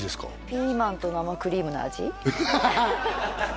ピーマンと生クリームの味？